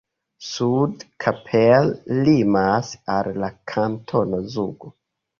Sude Kappel limas al la Kantono Zugo.